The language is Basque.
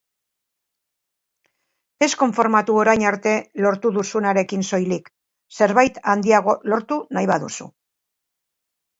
Ez konformatu orain arte lortu duzunarekin soilik, zerbait handiago lortu nahi baduzu.